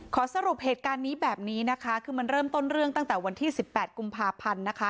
สรุปเหตุการณ์นี้แบบนี้นะคะคือมันเริ่มต้นเรื่องตั้งแต่วันที่๑๘กุมภาพันธ์นะคะ